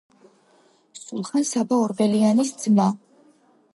სულხან-საბა ორბელიანის ძმა.